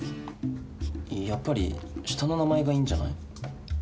やっぱり下の名前がいいんじゃない？